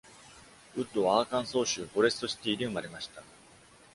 ウッドはアーカンソー州フォレストシティで生まれました。